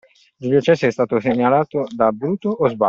Giulio Cesare è stato pugnalato da Bruto, o sbaglio?